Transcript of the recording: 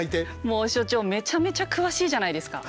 もう所長めちゃめちゃ詳しいじゃないですか。